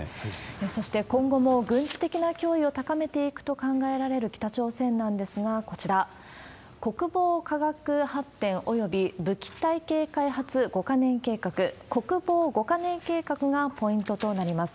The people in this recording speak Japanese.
そして、今後も軍事的な脅威を高めていくと考えられる北朝鮮なんですが、こちら、国防科学発展および、武器体系開発５か年計画、国防５か年計画がポイントとなります。